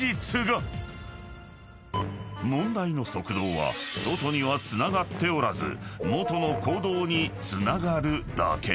［問題の側道は外にはつながっておらず元の坑道につながるだけ］